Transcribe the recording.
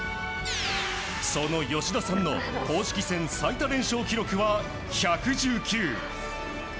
その吉田さんの公式戦最多連勝記録は１１９。